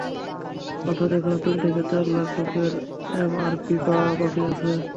অর্থাৎ এখনো তিন থেকে চার লাখ লোকের এমআরপি পাওয়া বাকি আছে।